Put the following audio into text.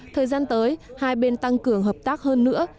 thời gian tới hai bên tăng cường hợp tác hơn nữa